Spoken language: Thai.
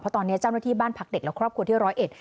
ตอนนี้เจ้าหน้าที่บ้านพักเด็กและครอบครัวที่ร้อยเอ็ด